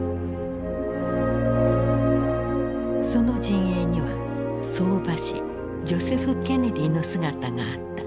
その陣営には相場師ジョセフ・ケネディの姿があった。